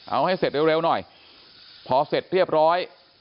เอาให้เสร็จเร็วหน่อยพอเสร็จเรียบร้อย